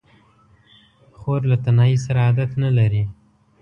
خور له تنهایۍ سره عادت نه لري.